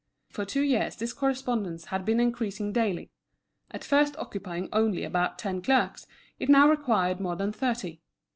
For two years this correspondence had been increasing daily. At first occupying only about ten clerks, it now required more than thirty.